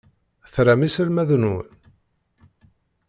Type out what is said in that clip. Tram iselmaden-nwen?